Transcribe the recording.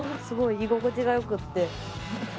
すごい居心地がよくって。